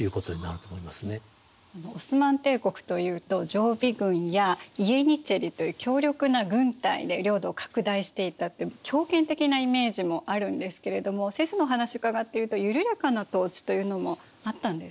オスマン帝国というと常備軍やイエニチェリという強力な軍隊で領土を拡大していったって強権的なイメージもあるんですけれども先生のお話伺っていると緩やかな統治というのもあったんですね。